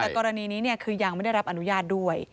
แต่กรณีนี้คือยังไม่ได้รับอนุญาตด้วย